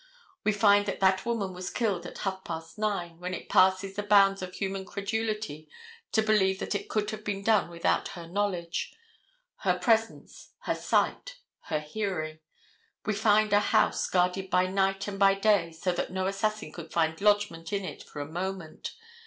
We find that that woman was killed at half past nine, when it passes the bounds of human credulity to believe that it could have been done without her knowledge, her presence, her sight, her hearing. We find a house guarded by night and by day so that no assassin could find lodgment in it for a moment.